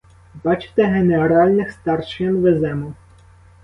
Бачите, генеральних старшин веземо.